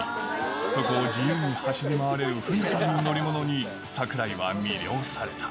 そこを自由に走り回れる船という乗り物に、櫻井は魅了された。